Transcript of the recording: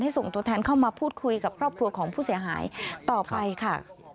ส่งตัวแทนเข้ามาพูดคุยกับครอบครัวของผู้เสียหายต่อไปค่ะ